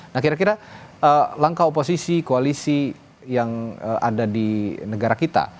nah kira kira langkah oposisi koalisi yang ada di negara kita